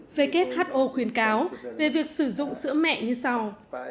về kết h o khuyến cáo về việc sử dụng sữa mẹ như sau